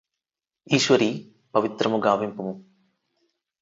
యీశ్వరీ ! పవిత్రము గావింపుము